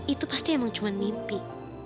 itu pasti emang cuma mimpi